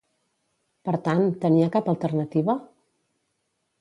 Per tant, tenia cap alternativa?